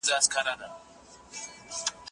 بوټونه پاک کړه!.